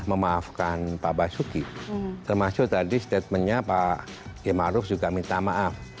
memaafkan pak basuki termasuk tadi statementnya pak kian maruf juga minta maaf